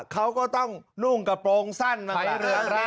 เขาก็ต้องนุ่งกระโปรงสั้นบ้างละ